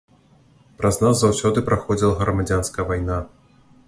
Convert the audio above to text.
Праз нас заўсёды праходзіла грамадзянская вайна.